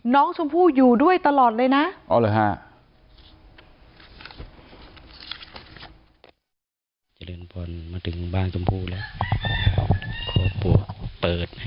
น้องชมพู่อยู่ด้วยตลอดเลยนะ